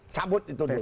cabut itu dulu